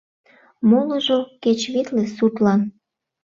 — Молыжо — кеч витле суртлан!